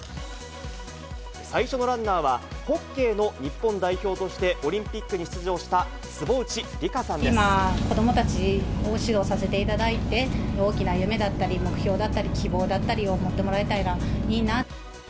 最初のランナーは、ホッケーの日本代表としてオリンピックに出場した坪内利佳さんで今、子どもたちを指導させていただいて、大きな夢だったり、目標だったり、希望だったりを持ってもらえたらいいな。